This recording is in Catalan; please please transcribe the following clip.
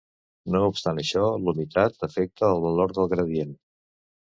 No obstant això, la humitat afecta el valor del gradient.